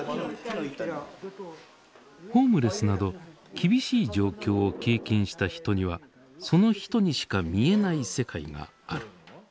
ホームレスなど厳しい状況を経験した人にはその人にしか見えない世界がある。